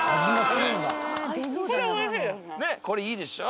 これいいでしょ。